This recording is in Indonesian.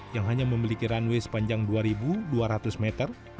yang hanya memiliki runway sepanjang dua dua ratus meter